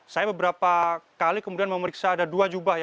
saya beberapa kali kemudian memeriksa ada dua jubah